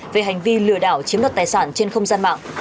về hành vi lừa đảo chiếm đoạt tài sản trên không gian mạng